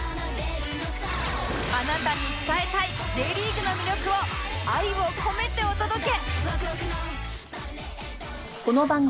あなたに伝えたい Ｊ リーグの魅力を愛を込めてお届け！